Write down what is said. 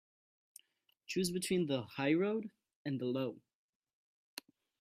Choose between the high road and the low.